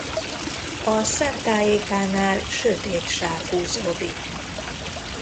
A szem tájékánál sötét sáv húzódik.